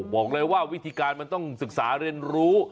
บอกเลยว่าวิธีการมันต้องศึกษาเรียนรู้